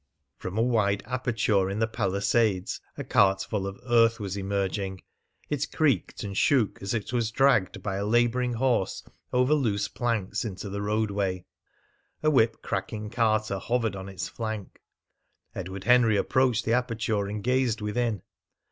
From a wide aperture in the palisades a cartful of earth was emerging; it creaked and shook as it was dragged by a labouring horse over loose planks into the roadway; a whip cracking carter hovered on its flank. Edward Henry approached the aperture and gazed within.